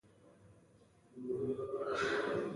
د ټیمونو مافیایي ډلې پر مهمو چوکیو یو بل ته ډغرې ورکوي.